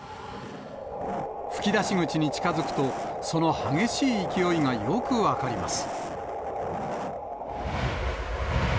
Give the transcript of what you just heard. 噴き出し口に近づくと、その激しい勢いがよく分かります。